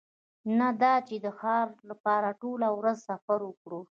نه دا چې د ښار لپاره ټوله ورځ سفر وکړو